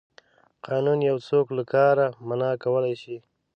قانون یو څوک له کار منع کولی شي.